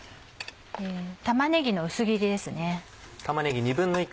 玉ねぎの薄切りですね。